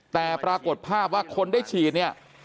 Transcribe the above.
แต่ปรากฏภาพว่าคนได้ฉีดเนี่ย